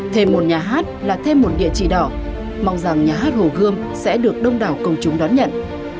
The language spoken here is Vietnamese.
thêm một nhà hát là thêm một địa chỉ đỏ mong rằng nhà hát hồ gươm sẽ được đông đảo công chúng đón nhận